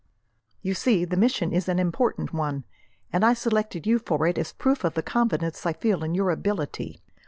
"You see, the mission is an important one, and I selected you for it as a proof of the confidence I feel in your ability.